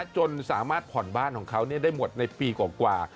จนสามารถผ่อนบ้านของเขาได้หมดในปีกว่า